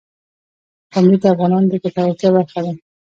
پامیر د افغانانو د ګټورتیا برخه ده.